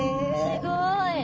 すごい。